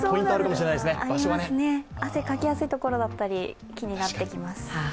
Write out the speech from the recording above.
汗かきやすいところだったり、気になってきます。